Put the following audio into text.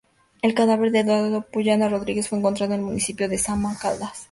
El cadáver de Eduardo Puyana Rodríguez fue encontrado en el municipio de Samaná Caldas.